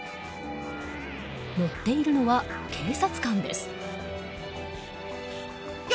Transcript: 乗っているのは警察官です。